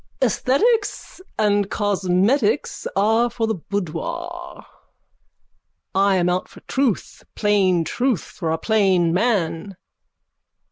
_ Esthetics and cosmetics are for the boudoir. I am out for truth. Plain truth for a plain man.